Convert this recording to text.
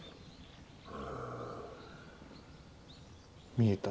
見えた？